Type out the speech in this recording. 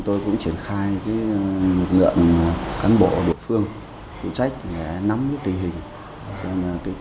tôi cũng triển khai một ngượng cán bộ đội phương phụ trách để nắm nhất tình hình